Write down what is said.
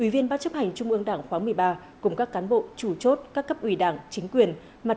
xin chào các bạn